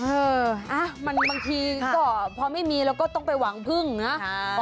เออบางทีก็พอไม่มีเราก็ต้องไปหวังพึ่งนะ